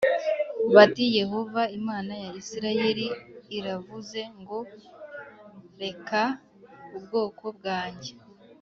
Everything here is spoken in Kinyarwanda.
bati Yehova Imana ya Isirayeli iravuze ngo reka ubwoko bwanjye